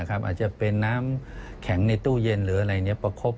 อาจจะเป็นน้ำแข็งในตู้เย็นหรืออะไรประคบ